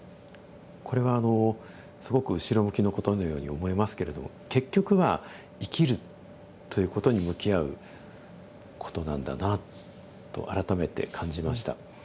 これはあのすごく後ろ向きのことのように思えますけれども結局は生きるということに向き合うことなんだなと改めて感じました。